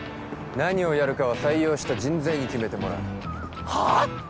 何をやるかは採用した人材に決めてもらうはっ？